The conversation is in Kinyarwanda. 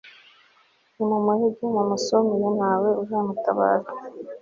nimumuhige, mumusumire, nta we uzamutabara